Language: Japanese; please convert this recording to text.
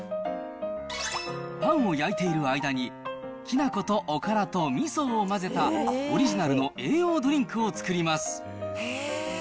パンを焼いている間に、きな粉とおからとみそを混ぜた、オリジナルの栄養ドリンクを作ります。